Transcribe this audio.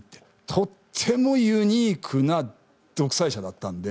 とってもユニークな独裁者だったんで。